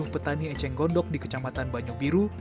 sepuluh petani eceng gondok di kecamatan banyu biru